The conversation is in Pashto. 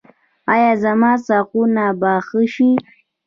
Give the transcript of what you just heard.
ایا زما ساقونه به ښه شي؟